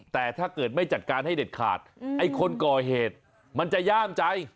แต่ถ้าเกิดไม่จัดการให้เด็ดขาดไอ้คนก่อเหตุมันจะย่ามใจ